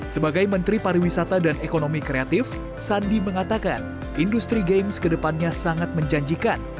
sebagai menteri pariwisata dan ekonomi kreatif sandi mengatakan industri games kedepannya sangat menjanjikan